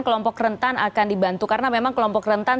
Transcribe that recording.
kelompok rentan akan dibantu karena memang kelompok rentan